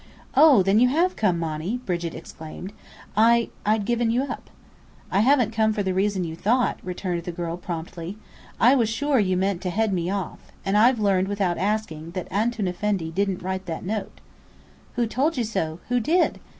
"Oh, then you have come, Monny!" Brigit exclaimed. "I I'd given you up." "I haven't come for the reason you thought," returned the girl promptly. "I was sure you meant to head me off. And I've learned without asking, that Antoun Effendi didn't write that note." "I told you so! Who did?"